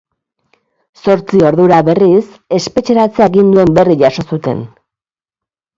Zortzi ordura, berriz, espetxeratze aginduen berri jaso zuten.